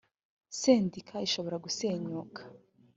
sendika ishobora gusenyuka.